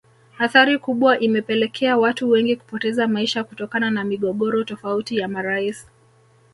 Athari kubwa imepelekea watu wengi kupoteza maisha kutokana na migogoro tofauti ya marais